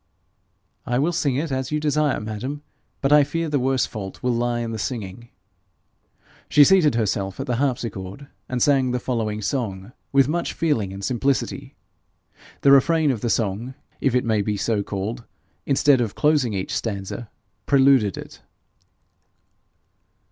'I will sing it at your desire, madam; but I fear the worse fault will lie in the singing.' She seated herself at the harpsichord, and sang the following song with much feeling and simplicity. The refrain of the song, if it may be so called, instead of closing each stanza, preluded it.